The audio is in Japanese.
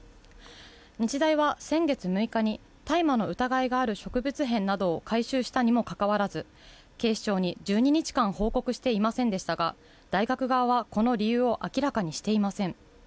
日大は先月６日に大麻の疑いがある植物片などを回収したにもかかわらず警視庁に１２日間報告していませんでしたが、大学側はこの理由を明らかにしていません。